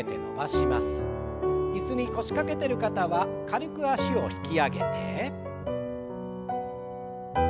椅子に腰掛けてる方は軽く脚を引き上げて。